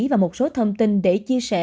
và một số thông tin để chia sẻ